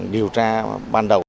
điều tra ban đầu